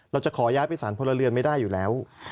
เราจะขอย้ายไปสารพลเรือนไม่ได้อยู่แล้ว